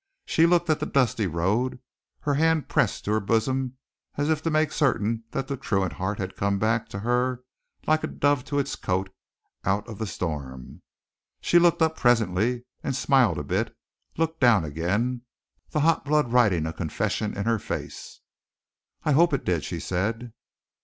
She looked at the dusty road, her hand pressed to her bosom as if to make certain that the truant heart had come back to her like a dove to its cote out of the storm. She looked up presently, and smiled a bit; looked down again, the hot blood writing a confession in her face. "I hope it did," she said.